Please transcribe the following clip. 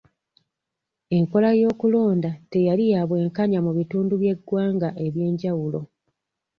Enkola y'okulonda teyali ya bwenkanya mu bitundu by'eggwanga eby'enjawulo.